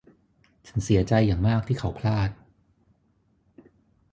ฉันเสียใจอย่างมากเขาพลาด